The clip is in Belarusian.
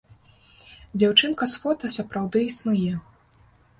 Дзяўчынка з фота сапраўды існуе.